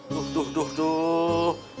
duh duh duh duh